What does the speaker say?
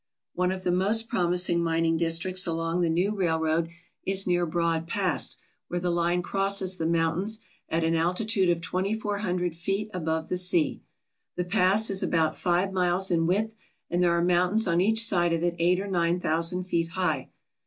One of the most promising mining districts along the new railroad is near Broad Pass, where the line crosses the mountains at an altitude of twenty four hundred feet above the sea. The pass is about five miles in width, and there are mountains on each side of it eight or nine thou sand feet high.